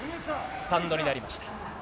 スタンドになりました。